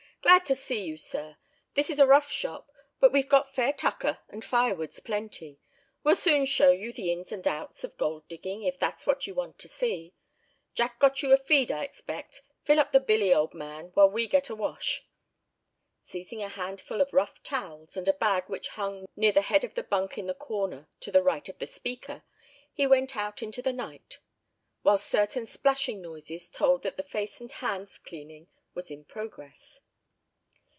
"Glad to see you, sir! This is a rough shop; but we've got fair tucker, and firewood's plenty. We'll soon show you the ins and outs of gold digging, if that's what you want to see. Jack got you a feed, I expect; fill up the billy, old man, while we get a wash." Seizing a handful of rough towels, and a bag which hung near the head of the bunk in the corner to the right of the speaker, he went out into the night; while certain splashing noises told that face and hands' cleaning was in progress.